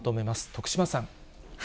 徳島さん。